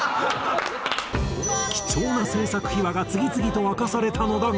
貴重な制作秘話が次々と明かされたのだが。